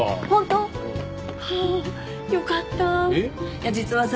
いや実はさ